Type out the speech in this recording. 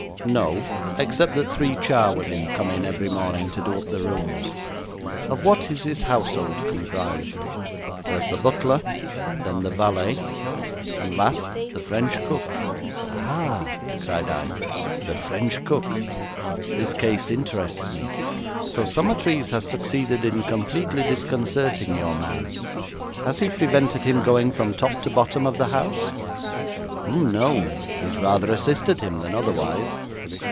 'No, except that three charwomen come in every morning to do up the rooms.' 'Of what is his household comprised?' 'There is the butler, then the valet, and last, the French cook.' 'Ah,' cried I, 'the French cook! This case interests me. So Summertrees has succeeded in completely disconcerting your man? Has he prevented him going from top to bottom of the house?' 'Oh no, he has rather assisted him than otherwise.